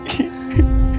saya mau ketemu putri